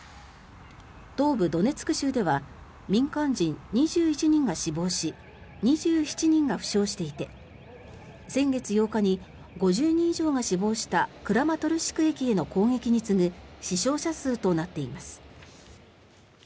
東部ドネツク州では民間人２１人が死亡し２７人が負傷していて先月８日に５０人以上が死亡したクラマトルシク駅への攻撃に次ぐ死傷者数となっています。